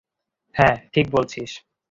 হ্যাঁ ঠিক বলছিস।